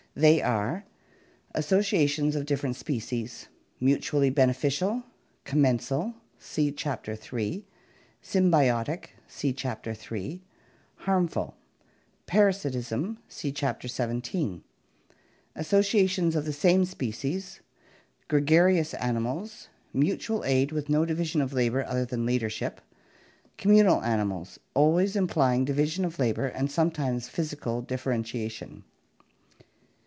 They are: Associations of different species. Mutually beneficial. Commensal (see Chapter IQ). Symbiotic (see Chapter III). Harmful. Parasitism (see Chapter XVII). Associations of the same species. Gregarious animals. Mutual aid with no division of labor other than leadership. Communal animals. Always implying division of labor and sometimes physical differentiation.